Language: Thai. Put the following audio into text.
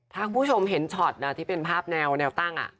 ถ้าคุณผู้ชมเห็นช็อตที่เป็นภาพแนวตั้ง